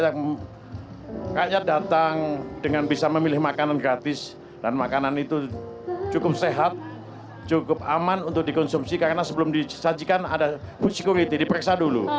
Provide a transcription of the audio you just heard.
di lokasi ini adalah pesta rakyat rakyat datang dengan bisa memilih makanan gratis dan makanan itu cukup sehat cukup aman untuk dikonsumsi karena sebelum disajikan ada security diperiksa dulu